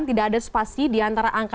dan tidak ada spasi di antara angka